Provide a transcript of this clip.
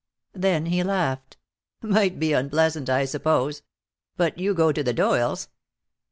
Then he laughed. "Might be unpleasant, I suppose. But you go to the Doyles'."